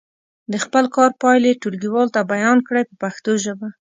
د خپل کار پایلې ټولګیوالو ته بیان کړئ په پښتو ژبه.